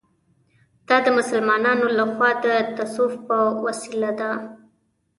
دا د مسلمانانو له خوا د تصوف په وسیله ده.